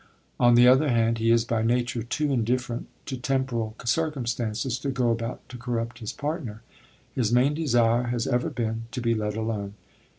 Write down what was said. On the other hand, he is by nature too indifferent to temporal circumstances to go about to corrupt his partner. His main desire has ever been to be let alone.